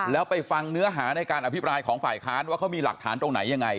แล้วไปฟังเนื้อหาในการอภิปรายของฝ่ายค้านว่าเขามีหลักฐานตรงไหนยังไง